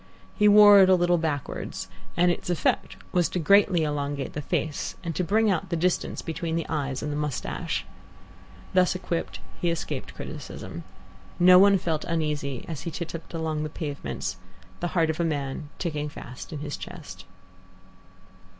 He wore it a little backwards, and its effect was greatly to elongate the face and to bring out the distance between the eyes and the moustache. Thus equipped, he escaped criticism. No one felt uneasy as he titupped along the pavements, the heart of a man ticking fast in his chest.